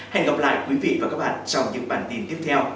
hẹn gặp lại quý vị và các bạn trong những bản tin tiếp theo